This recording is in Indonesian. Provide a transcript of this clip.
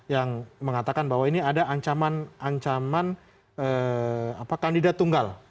yang mengatakan bahwa ini ada ancaman kandidat tunggal